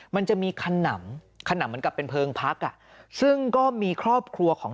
มันจะมีขนำขนำเหมือนกับเป็นเพลิงพักอ่ะซึ่งก็มีครอบครัวของ